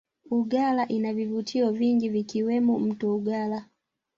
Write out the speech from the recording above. uggala inavivutio vingi vikiwemo mto ugalla